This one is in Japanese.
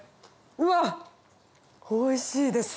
うわっおいしいです。